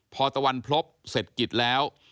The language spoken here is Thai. พอตะวันพรบเศรษฐกิจแล้ว